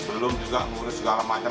belum juga ngurus segala macam